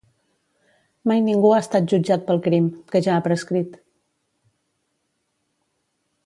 Mai ningú ha estat jutjat pel crim, que ja ha prescrit.